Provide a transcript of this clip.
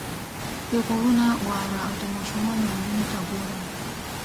پیغورونه واوره او د ماشومانو رنګونو ته ګوره.